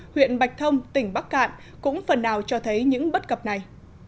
huyện bạch thông tỉnh bắc cạn cũng phần nào cho thấy những bất cập này